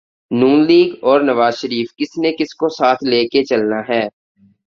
نون league اور نوازشریف کس نے کس کو ساتھ لے کے چلنا ہے۔